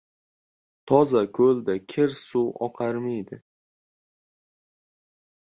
• Toza ko‘ldan kir suv oqarmidi?